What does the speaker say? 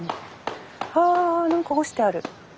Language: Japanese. はあ何か干してある。